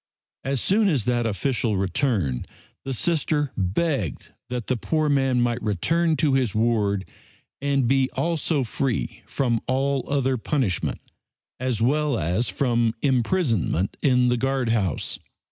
As soon as that official returned the Sister begged that the poor man might return to his ward and be also free from all other punishment, as well as from imprisonment in the guard house.